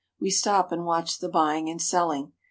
We stop and watch the buy ing and selling.